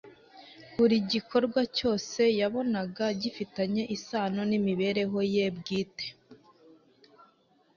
Buri gikorwa cyose yabonaga gifitanye isano n'imibereho ye bwite.